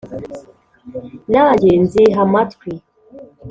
Nanjye nziha amatwi